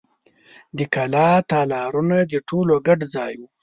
د کلا تالارونه د ټولو ګډ ځای و.